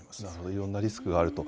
いろんなリスクがあると。